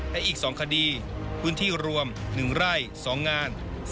และอีก๒คดีพื้นที่รวม๑ไร่๒งาน